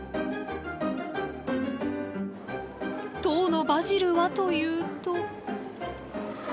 当のバジルはというと。